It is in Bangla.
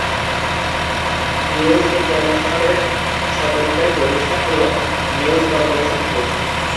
নিউজ ইন্টারন্যাশনালের স্বত্বাধিকারী প্রতিষ্ঠান হল নিউজ কর্পোরেশন গ্রুপ।